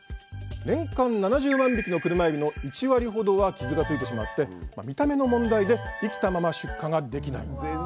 年間７０万匹のクルマエビの１割ほどは傷がついてしまって見た目の問題で生きたまま出荷ができないんです